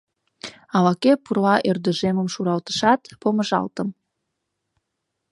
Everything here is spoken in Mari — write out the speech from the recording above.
Ала-кӧ пурла ӧрдыжемым шуралтышат, помыжалтым.